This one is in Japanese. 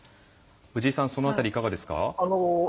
藤井さんその辺り、いかがですか。